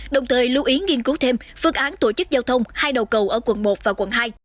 đồng thời lưu ý nghiên cứu thêm phương án tổ chức giao thông hai đầu cầu ở quận một và quận hai